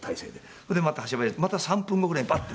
でまたしゃべってまた３分後ぐらいにバッて。